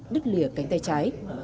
đứt lìa cánh tay trái